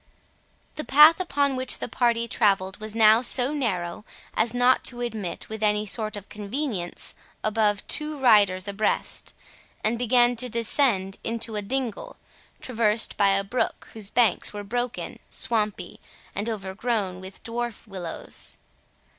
The path upon which the party travelled was now so narrow, as not to admit, with any sort of convenience, above two riders abreast, and began to descend into a dingle, traversed by a brook whose banks were broken, swampy, and overgrown with dwarf willows.